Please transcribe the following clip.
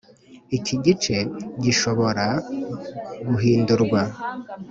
Iki gice gishobora guindurwa